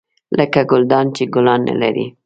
لکه ګلدان چې ګلان نه لري .